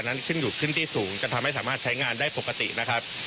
นั้นขึ้นอยู่ขึ้นที่สูงจนทำให้สามารถใช้งานได้ปกตินะครับ